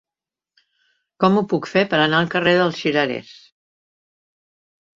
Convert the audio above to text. Com ho puc fer per anar al carrer dels Cirerers?